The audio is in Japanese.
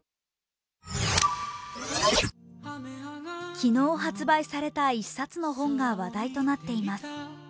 昨日発売された１冊の本が話題となっています。